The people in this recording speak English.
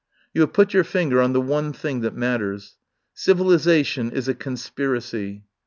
"You have put your finger on the one thing that matters. Civilisation is a conspiracy.